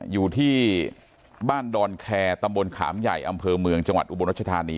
อยู่ที่บ้านดอนแคร์ตำบลขามใหญ่อำเภอเมืองจังหวัดอุบลรัชธานี